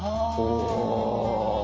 お！